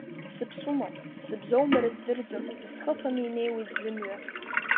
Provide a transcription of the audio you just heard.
Сыԥсума, сыбзоума рыздырӡом, исхыԥаны инеиуеит зымҩа.